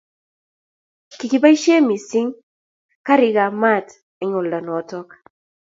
Kikiboisie mising karikab maat eng' oldonoto.